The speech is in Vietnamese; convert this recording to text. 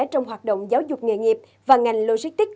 trong hoạt động giáo dục nghề nghiệp và ngành logistics